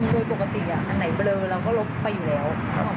บ่ปกติอันไหนเบลอเราก็ลบไปอยู่แล้วเข้าหวังไหม